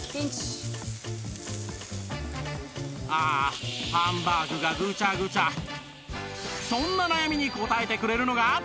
ああハンバーグがそんな悩みに応えてくれるのが